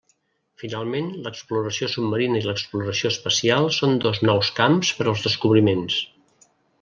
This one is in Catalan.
Finalment, l'exploració submarina i l'exploració espacial són dos nous camps per als descobriments.